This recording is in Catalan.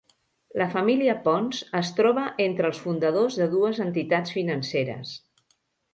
La família Pons es troba entre els fundadors de dues entitats financeres.